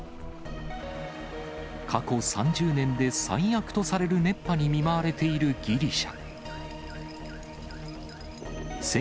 過去３０年で最悪とされる熱波に見舞われているギリシャ。